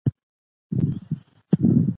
هیله د ژوند د تورو شپو لپاره یو مشعل دی.